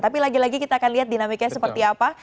tapi lagi lagi kita akan lihat dinamiknya seperti apa